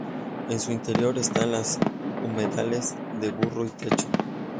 En su interior están los humedales del Burro y Techo.